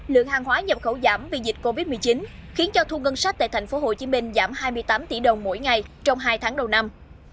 lượng hàng hóa nhập khẩu giảm vì dịch covid một mươi chín khiến cho thu ngân sách tại tp hcm giảm hai mươi tám tỷ đồng mỗi ngày trong hai tháng đầu năm